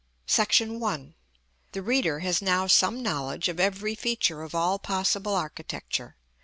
§ I. The reader has now some knowledge of every feature of all possible architecture.